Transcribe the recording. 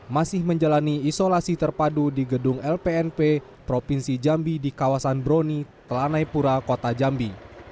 masih menjalani isolasi terpadu di gedung lpnp provinsi jambi di kawasan broni telanai pura kota jambi